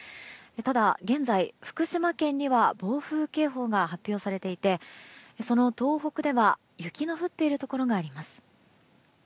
ただ現在、福島県には暴風警報が発表されていてその東北では雪の降っているところがあります。